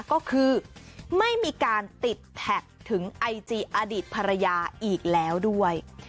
ก็คือไม่มีการติดแท็กถึงไอจีอดีตภรรยาอีกแล้วด้วย